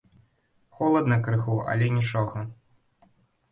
Холадна крыху, але нічога.